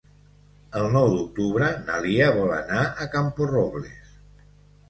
El nou d'octubre na Lia vol anar a Camporrobles.